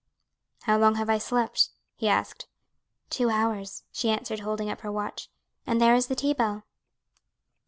"How long have I slept?" he asked. "Two hours," she answered, holding up her watch, "and there is the tea bell."